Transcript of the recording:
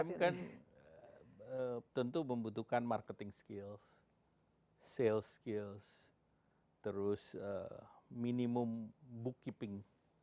umkm kan tentu membutuhkan marketing skills sales skills terus minimum bookkeeping